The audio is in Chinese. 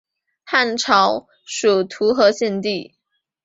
汉朝属徒河县地。